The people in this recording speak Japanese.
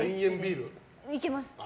いけます。